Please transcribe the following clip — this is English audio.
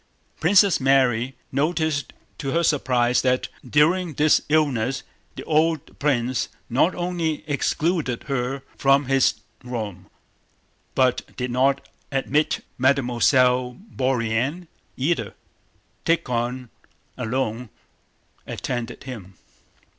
Princess Mary noticed to her surprise that during this illness the old prince not only excluded her from his room, but did not admit Mademoiselle Bourienne either. Tíkhon alone attended him.